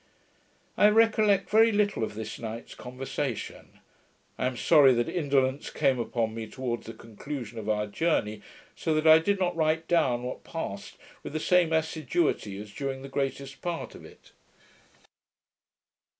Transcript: I recollect very little of this night's conversation. I am sorry that indolence came upon me towards the conclusion of our journey, so that I did not write down what passed with the same assiduity as during the greatest part of it.